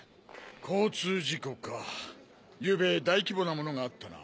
交通事故かゆうべ大規模なものがあったな。